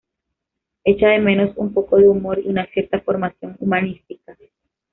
Echa de menos un poco de humor y una cierta formación humanística.